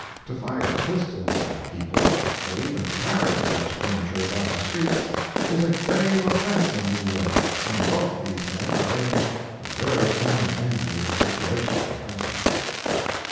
To fire pistols at people, or even to carry such furniture about the streets, is a grave offence in New York; and both these men are in a very unenviable situation at present.